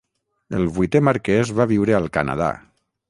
El vuitè marquès va viure al Canadà.